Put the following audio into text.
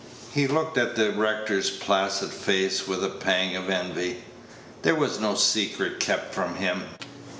He looked at the rector's placid face with a pang of envy. There was no secret kept from him.